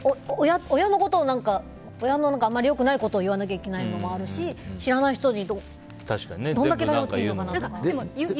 親の良くないところを言わなきゃいけないのもあるし知らない人にどんだけ頼っていいのかなとか。